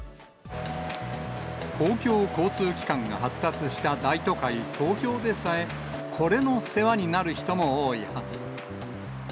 公共交通機関が発達した大都会、東京でさえ、これの世話になる人も多いはず。